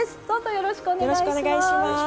よろしくお願いします。